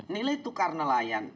nilai tukar nelayan